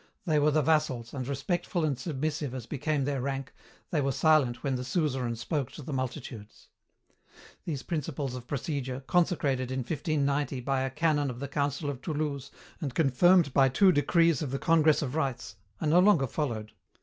They were the vassals, and, respectful and submissive as became their rank, they were silent when the Suzerain spoke to the multitudes. These principles of procedure, consecrated, in 1590, by a canon of the Council of Toulouse and confirmed by two decrees of the Congress of Rites, are no longer followed.